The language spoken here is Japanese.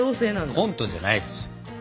コントじゃないです。